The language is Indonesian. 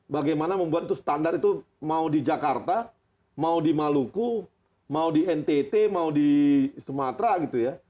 bagaimana membuat itu standar itu mau di jakarta mau di maluku mau di ntt mau di sumatera gitu ya